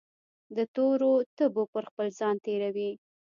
دتورو تبو پرخپل ځان تیروي